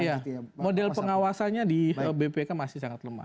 iya model pengawasannya di bpk masih sangat lemah